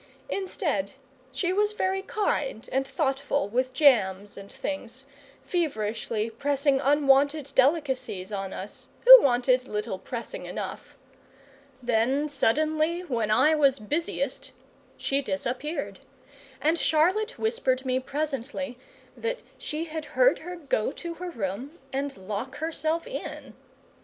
Instead, she was very kind and thoughtful with jams and things, feverishly pressing unwonted delicacies on us, who wanted little pressing enough. Then suddenly, when I was busiest, she disappeared; and Charlotte whispered me presently that she had heard her go to her room and lock herself in.